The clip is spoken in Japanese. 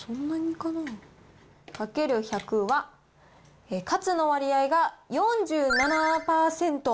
かける１００は、カツの割合が４７％。